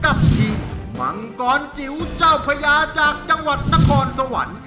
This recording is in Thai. กับทีมมังกรจิ๋วเจ้าพญาจากจังหวัดนครสวรรค์